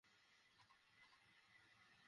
তা অবশ্য, বাকিটা এখন কমবেশি রুটিন।